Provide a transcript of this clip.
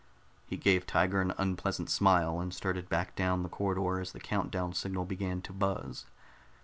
He gave Tiger an unpleasant smile, and started back down the corridor as the count down signal began to buzz.